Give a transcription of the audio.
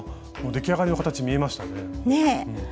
もう出来上がりの形見えましたね。